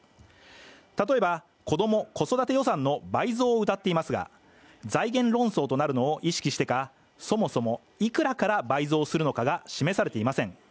例えば、子ども・子育て予算の倍増をうたっていますが財源論争となるのを意識してか、そもそもいくらから倍増するのかが示されていません。